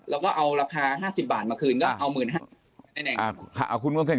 ละคอละคาห้าสิบบาทมาคืนแล้ว